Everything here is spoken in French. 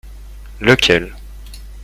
Lequel ?